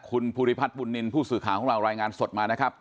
คุณภูริพัฒน์บุญนินทร์ผู้สื่อข่าวของเรารายงานสดมานะครับ